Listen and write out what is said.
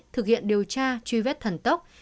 thực hiện điều tra truy vết thần tốc